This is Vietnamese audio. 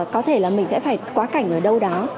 có thể là mình sẽ phải qua các hãng hàng không